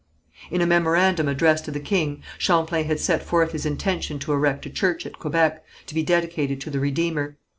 In a memorandum addressed to the king, Champlain had set forth his intention to erect a church at Quebec, to be dedicated to the Redeemer.